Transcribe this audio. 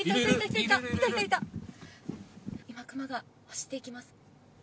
今、熊が走っていきます。